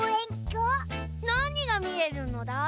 なにがみえるのだ？